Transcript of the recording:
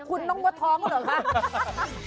คุณยังไงคุณท้องกันหรอคะ